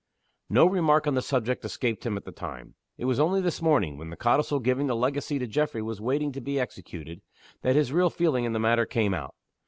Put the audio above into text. No remark on the subject escaped him at the time. It was only this morning, when the codicil giving the legacy to Geoffrey was waiting to be executed, that his real feeling in the matter came out.